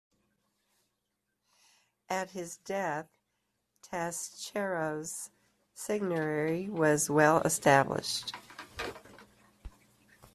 At his death, Taschereau's seigneury was well established.